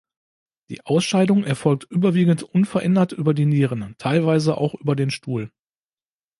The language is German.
Die Ausscheidung erfolgt überwiegend unverändert über die Nieren, teilweise auch über den Stuhl.